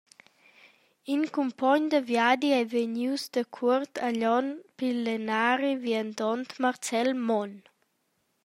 In cumpogn da viadi ei vegnius dacuort a Glion pil lennari-viandont Marcel Monn.